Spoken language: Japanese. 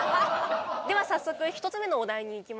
では早速１つ目のお題にいきましょう。